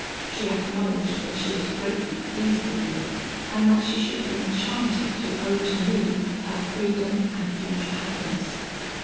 She acknowledged that she was greatly pleased with me, and that she should be enchanted to owe to me her freedom and future happiness.